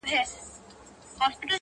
گامېښه د گل په بوی څه پوهېږي.